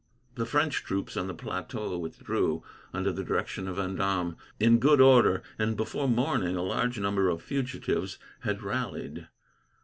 The French troops on the plateau withdrew, under the direction of Vendome, in good order; and before morning a large number of fugitives had rallied.